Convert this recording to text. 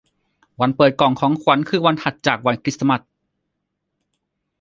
วันเปิดกล่องของขวัญคือวันถัดจากวันคริสต์มาส